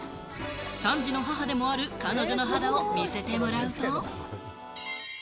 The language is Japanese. ３児の母でもある彼女の肌を見せてもらうと。